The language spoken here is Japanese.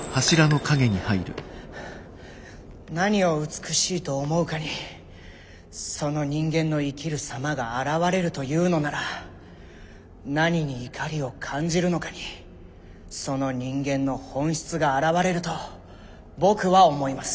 何を美しいと思うかにその人間の生きる様が現れるというのなら何に怒りを感じるのかにその人間の本質が現れると僕は思います。